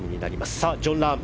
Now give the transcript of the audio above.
さあ、ジョン・ラーム。